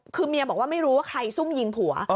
คือเมียบอกว่าไม่รู้ว่าใครซุ่มยิงผัว